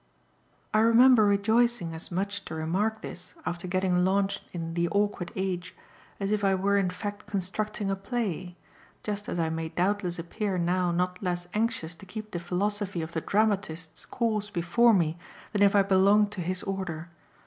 I remember rejoicing as much to remark this, after getting launched in "The Awkward Age," as if I were in fact constructing a play just as I may doubtless appear now not less anxious to keep the philosophy of the dramatist's course before me than if I belonged to his order.